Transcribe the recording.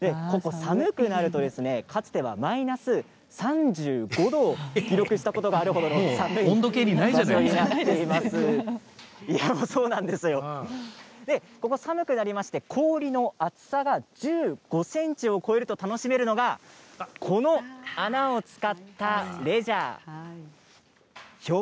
ここは寒くなるとかつてはマイナス３５度を記録したこともあるほどの温度計にそうなんですよ寒くなりまして、氷の厚さが１５ｃｍを超えると楽しめるのがこの穴を使ったレジャーです。